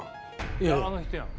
いやあの人やん。